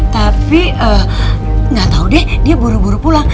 tapi gak tau deh dia buru buru pulang